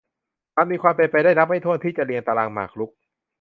มันมีความเป็นไปได้นับไม่ถ้วนที่จะเรียงตารางหมากรุก